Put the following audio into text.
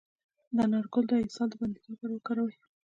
د انار ګل د اسهال د بندیدو لپاره وکاروئ